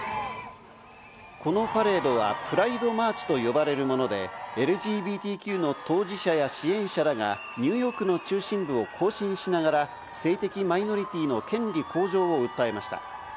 このパレードはプライド・マーチと呼ばれるもので、ＬＧＢＴＱの当事者や支援者らがニューヨークの中心部を行進しながら、性的マイノリティーの権利向上を訴えました。